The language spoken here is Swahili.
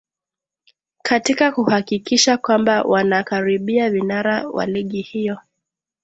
katika kuhakikisha kwamba wana karibia vinara wa ligi hiyo